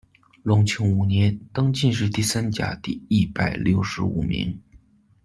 隆庆五年，登进士第三甲第一百六十五名。